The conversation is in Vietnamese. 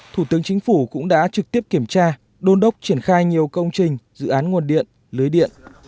thủ tướng chính phủ cũng đã trực tiếp kiểm tra đôn đốc triển khai nhiều công trình dự án nguồn điện lưới điện